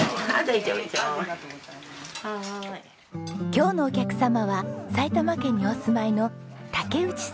今日のお客様は埼玉県にお住まいの竹内さんご一家。